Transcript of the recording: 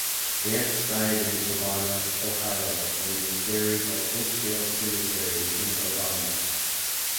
Vance died in Urbana, Ohio and was buried at Oak Dale Cemetery in Urbana.